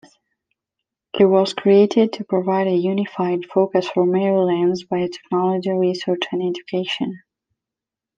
It was created to provide a unified focus for Maryland's biotechnology research and education.